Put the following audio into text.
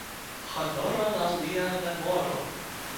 Honoron al lia memoro!